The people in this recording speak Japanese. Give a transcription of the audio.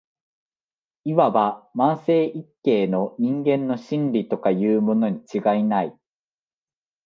謂わば万世一系の人間の「真理」とかいうものに違いない